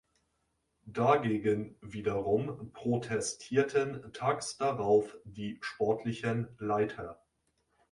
Dagegen wiederum protestierten tags darauf die Sportlichen Leiter.